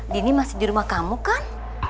dini masih di rumah kamu kan